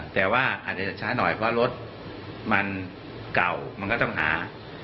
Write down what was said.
แต่ว่าอาจจะช้าหน่อยเพราะรถมันเก่ามันก็ต้องหา